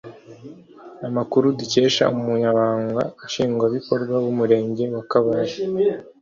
Amakuru dukesha Umunyamabanga Nshingwabikorwa w’Umurenge wa Kabare